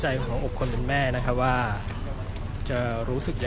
ไม่ใช่นี่คือบ้านของคนที่เคยดื่มอยู่หรือเปล่า